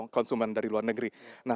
konsumen dari luar negara